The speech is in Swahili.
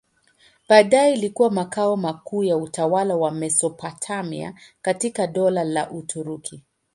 Baadaye ilikuwa makao makuu ya utawala wa Mesopotamia katika Dola la Uturuki.